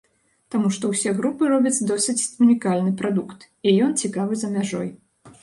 Таму што ўсе групы робяць досыць унікальны прадукт, і ён цікавы за мяжой.